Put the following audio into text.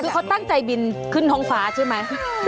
คือเขาตั้งใจบินขึ้นท้องฟ้าใช่ไหม